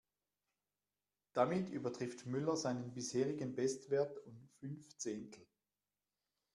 Damit übertrifft Müller seinen bisherigen Bestwert um fünf Zehntel.